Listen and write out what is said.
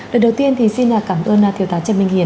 lời đầu tiên thì xin cảm ơn thiếu tá trần minh hiền